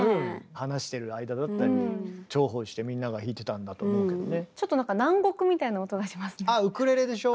話してる間だったり重宝してみんなが弾いてたんだと思うけどね。